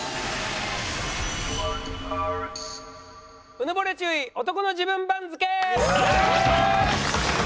うぬぼれ注意オトコの自分番付！